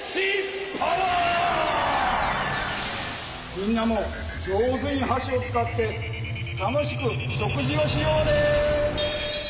みんなもじょうずにはしをつかってたのしくしょくじをしようね。